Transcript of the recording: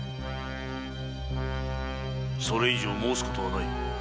それ以上申すことはない。